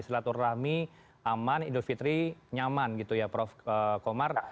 silaturrahmi aman idul fitri nyaman prof omar